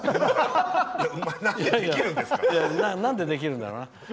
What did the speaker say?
なんでできるんだろうな。